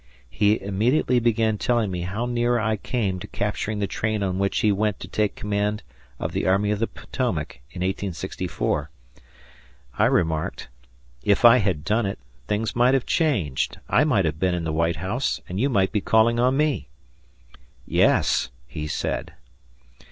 He immediately began telling me how near I came to capturing the train on which he went to take command of the Army of the Potomac in 1864. I remarked, "If I had done it, things might have been changed I might have been in the White House and you might be calling on me." "Yes," he said.